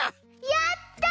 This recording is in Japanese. やった！